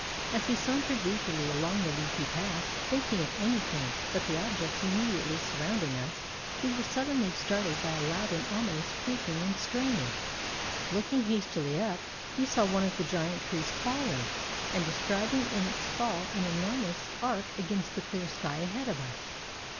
As we sauntered leisurely along the leafy path, thinking of anything but the objects immediately surrounding us, we were suddenly startled by a loud and ominous creaking and straining. Looking hastily up, we saw one of the giant trees falling, and describing in its fall an enormous arc against the clear sky ahead of us.